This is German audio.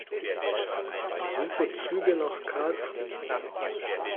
Suche Züge nach Karlsruhe.